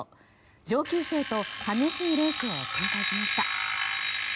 上級生と激しいレースを展開しました。